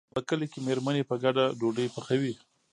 په کلي کې مېرمنې په ګډه ډوډۍ پخوي.